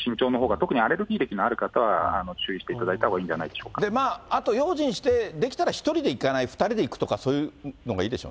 特にアレルギー歴のある方は、注意していただいたほうがいいんじあと用心して、できたら１人で行かない、２人で行くとか、そういうのがいいです